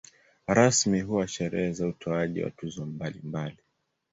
Rasmi huwa sherehe za utoaji wa tuzo mbalimbali.